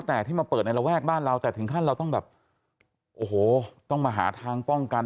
แต่ที่มาเปิดในระแวกบ้านเราแต่ถึงขั้นเราต้องแบบโอ้โหต้องมาหาทางป้องกัน